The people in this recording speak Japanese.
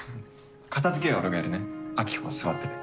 片づけは俺がやるね晶穂は座ってて。